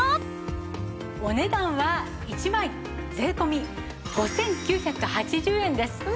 お値段は１枚税込５９８０円です。